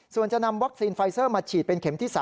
ส่วนจะนำวัคซีนไฟเซอร์มาฉีดเป็นเข็มที่๓